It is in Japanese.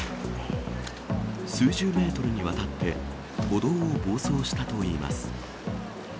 数十メートルにわたって、歩道を暴走したといいます。